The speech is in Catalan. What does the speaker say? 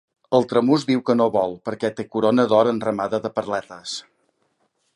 El tramús diu que no vol, perqué té corona d’or enramada de perletes.